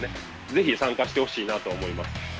ぜひ参加してほしいなと思います。